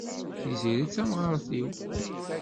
Tiziri d tamɣart-iw.